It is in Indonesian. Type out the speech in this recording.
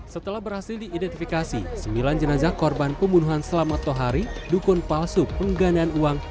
setelah berhasil diidentifikasi sembilan jenazah korban pembunuhan selamat toh hari dukun palsu pengganaan uang